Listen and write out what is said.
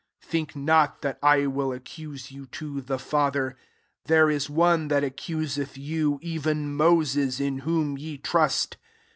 45 " Think not that I will ac cuse you to the Father : there is one that accuseth you, even Moses, in whom ye trust.